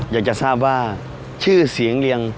อยากจะทราบว่าชื่อเสียงเรียง